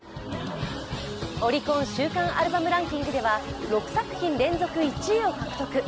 オリコン週間アルバムランキングでは６作品連続１位を獲得。